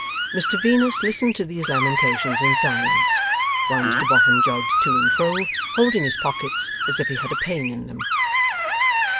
Mr Venus listened to these lamentations in silence, while Mr Boffin jogged to and fro, holding his pockets as if he had a pain in them.